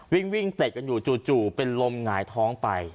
วิ่งเตะกันอยู่จู่เป็นลมหงายท้องไป